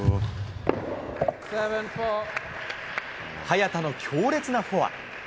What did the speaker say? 早田の強烈なフォア。